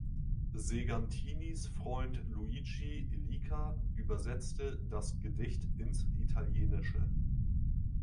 Segantinis Freund Luigi Illica übersetzte das Gedicht ins Italienische.